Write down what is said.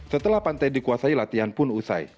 setelah pantai dikuasai latihan pun usai